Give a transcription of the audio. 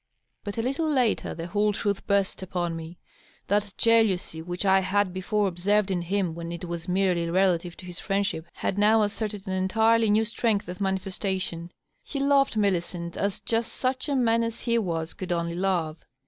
But a little later the whole truth burst upon me. That jealousy which I had before observed in him when it was merely relative to \Sa friendship had now asserted an entirely new strength of manifestation. He loved Millicent as just such a man as he was could only love.